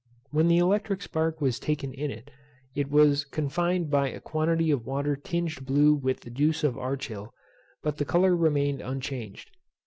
When the electric spark was taken in it, it was confined by a quantity of water tinged blue with the juice of archil, but the colour remained unchanged.